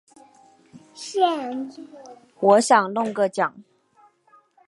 我想弄个奖